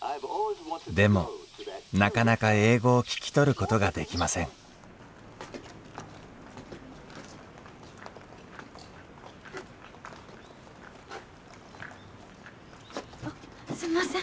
でもなかなか英語を聞き取ることができませんあっすんません。